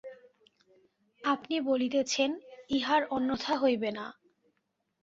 আপনি বলিতেছেন, ইহার অন্যথা হইবে না।